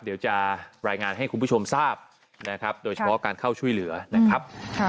เดี๋ยวจะรายงานให้คุณผู้ชมทราบนะครับโดยเฉพาะการเข้าช่วยเหลือนะครับ